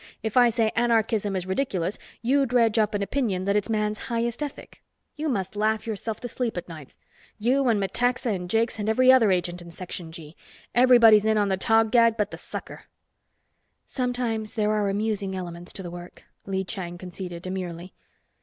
If I say anarchism is ridiculous, you dredge up an opinion that it's man's highest ethic. You must laugh yourself to sleep at nights. You and Metaxa and Jakes and every other agent in Section G. Everybody is in on the Tog gag but the sucker." "Sometimes there are amusing elements to the work," Lee Chang conceded, demurely.